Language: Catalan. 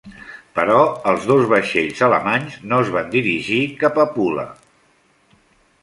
Però els dos vaixells alemanys no es van dirigir cap a Pula.